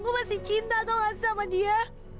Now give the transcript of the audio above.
gue pasti cinta tau gak sama dia